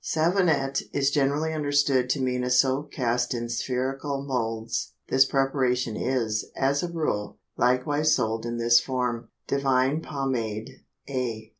Savonette is generally understood to mean a soap cast in spherical moulds; this preparation is, as a rule, likewise sold in this form. DIVINE POMADE A.